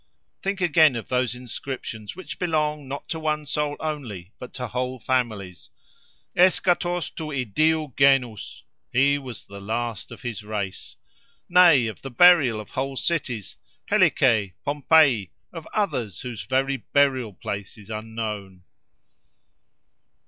"Think again of those inscriptions, which belong not to one soul only, but to whole families: Eschatos tou idiou genous:+ He was the last of his race. Nay! of the burial of whole cities: Helice, Pompeii: of others, whose very burial place is unknown.